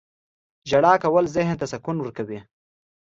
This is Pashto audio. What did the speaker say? • ژړا کول ذهن ته سکون ورکوي.